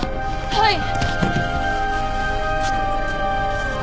はい！